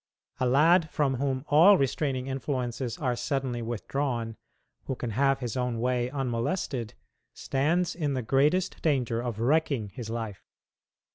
A lad from whom all restraining influences are suddenly withdrawn who can have his own way unmolested stands in the greatest danger of wrecking his life.